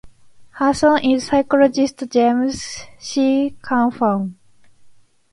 Her son is psychologist James C. Kaufman.